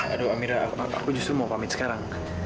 aduh amira aku justru mau pamit sekarang